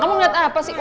kamu ngeliat apa sih